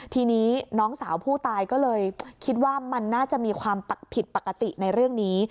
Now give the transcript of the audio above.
ทีนี้น้องสาวผู้ตายก็เลยคิดว่ามันน่าจะมีความผิดปกติในเรื่องนี้